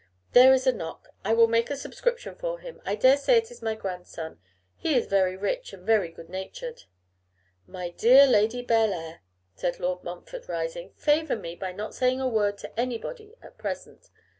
There is a knock. I will make a subscription for him. I dare say it is my grandson. He is very rich, and very good natured.' 'My dear Lady Bellair,' said Lord Montfort, rising, 'favour me by not saying a word to anybody at present.